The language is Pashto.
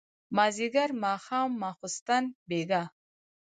مازيګر ماښام ماسخوتن بېګا